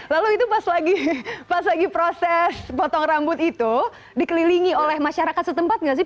lalu itu pas lagi proses potong rambut itu dikelilingi oleh masyarakat setempat nggak sih